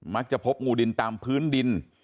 มักจะพบงูดินตามพื้นดิน